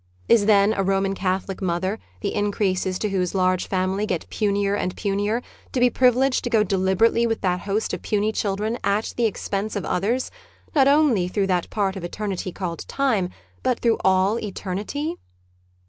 Is then a Roman Catholic mother, the increases to whose large family get punier and punier, to be privileged to go deliberately with that host of puny children at the expense of others, not only through that part of Eternity called Time, but through all Eternity